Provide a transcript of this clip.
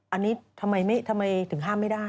อันนี้ทำไมถึงห้ามไม่ได้